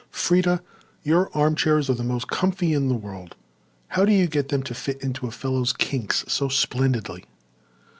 "Freda, your armchairs are the most comfy in the world. How do you get them to fit into a fellow's kinks so splendidly?"